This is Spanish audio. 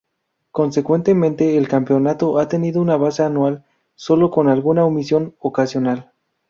Consecuentemente, el Campeonato ha tenido una base anual, sólo con alguna omisión ocasional.